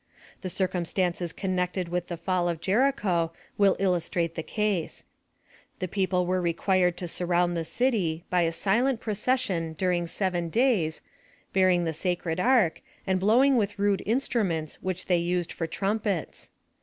The circumstances connected with the fall of Jericho will illustrate the case. The people were required to surround the city, by a silent procession during seven days, bearing the sacred ark, and blowing with rude instruments which they used for trumpets.